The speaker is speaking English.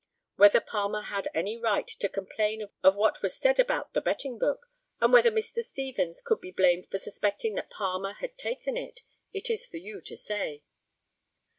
Whether Palmer had any right to complain of what was said about the betting book, and whether Mr. Stevens could be blamed for suspecting that Palmer had taken it, it is for you to say.